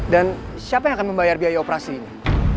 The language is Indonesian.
dan siapa yang akan membayar biaya operasi ini